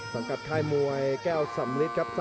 กับค่ายมวยแก้วสำลิดครับ